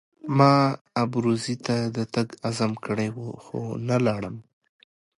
ما ابروزي ته د تګ عزم کړی وو خو نه ولاړم.